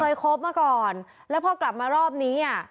คบมาก่อนแล้วพอกลับมารอบนี้อ่ะ